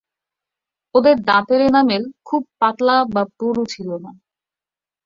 ওদের দাঁতের এনামেল খুব পাতলা বা পুরু ছিল না।